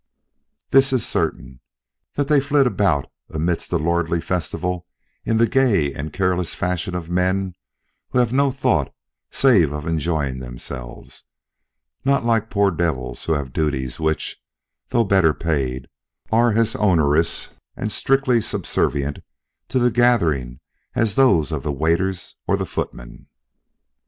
This is certain, that they flit about amidst a lordly festival in the gay and careless fashion of men who have no thought save of enjoying themselves; not like poor devils who have duties which, though better paid, are as onerous and strictly subservient to the gathering as those of the waiters or the footmen.